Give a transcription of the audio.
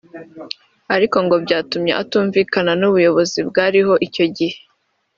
Ariko ngo byatumye atumvikana n’ ubuyobozi bwariho icyo gihe